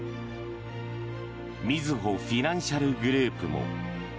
みずほフィナンシャルグループも。